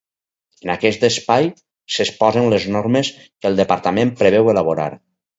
En aquest espai s'exposen les normes que el Departament preveu elaborar.